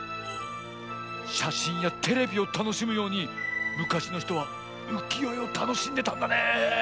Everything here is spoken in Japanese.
しゃしんやテレビをたのしむようにむかしのひとはうきよえをたのしんでたんだね。